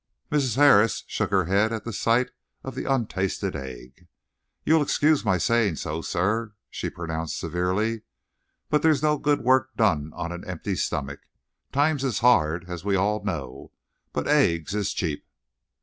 Mrs. Harris shook her head at the sight of the untasted egg. "You'll excuse my saying so, sir," she pronounced severely, "but there's no good work done on an empty stomach. Times is hard, as we all know, but eggs is cheap."